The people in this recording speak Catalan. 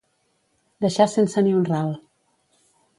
Deixar sense ni un ral.